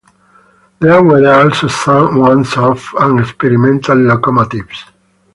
There were also some once-off and experimental locomotives.